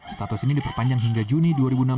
status ini diperpanjang hingga juni dua ribu enam belas